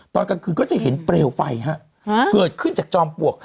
ตอนกลางคืนก็จะเห็นเปลวไฟฮะเกิดขึ้นจากจอมปลวก